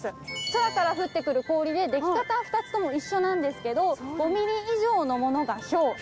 空から降ってくる氷ででき方は２つとも一緒なんですけど５ｍｍ以上のものがひょう。